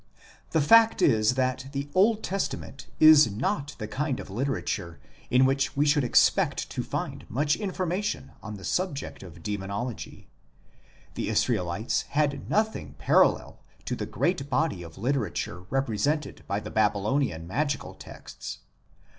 The fact is that the Old Testament is not the kind of literature in which we should expect to find much information on the subject of Demonology ; the Israelites had nothing parallel to the great body of literature represented by the Babylonian magical texts.